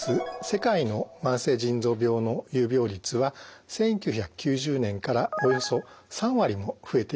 世界の慢性腎臓病の有病率は１９９０年からおよそ３割も増えています。